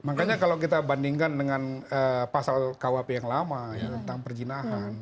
makanya kalau kita bandingkan dengan pasal kwp yang lama tentang perjinahan